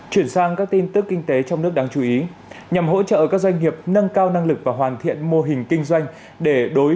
chuyển sang các tin tức kinh tế